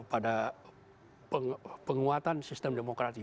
pada penguatan sistem demokrati